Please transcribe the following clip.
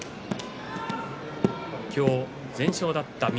今日、全勝だった翠